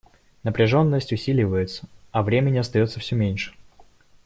Напряженность усиливается, а времени остается все меньше.